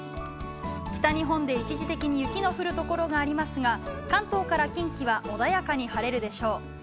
北日本で一時的に雪の降るところがありますが関東から近畿は穏やかに晴れるでしょう。